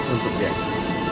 untuk di ajak